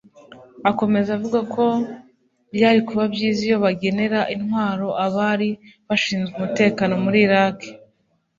Akomeza avuga ko byari kuba byiza iyo bagenera intwaro abari bashinzwe umutekano muri Iraq